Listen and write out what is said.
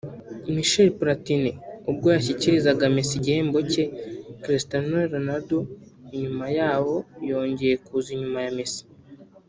Michel Platini ubwo yashyikirizaga Messi igihembo cye(Cristiano Ronaldo inyuma yabo yongeye kuza inyuma ya Messi)